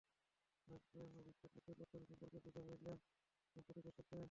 Oersted বিদ্যুৎ বর্তনী সম্পর্কে বোঝাচ্ছিলেন উপস্থিত দর্শকদের।